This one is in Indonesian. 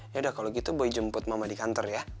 yaudah kalau gitu boy jemput mama di kantor ya